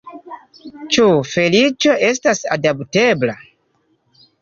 Ĉu feliĉo estas adaptebla?